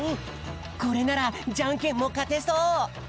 これならじゃんけんもかてそう！